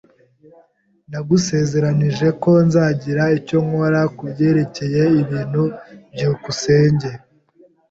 Ndagusezeranije ko nzagira icyo nkora kubyerekeye ibintu. byukusenge